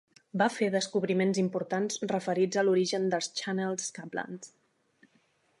Va fer descobriments importants referits a l'origen dels Channeled Scablands.